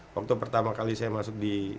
waktu pertama kali saya masuk di